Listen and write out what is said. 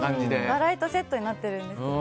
笑いとセットになっていますよね。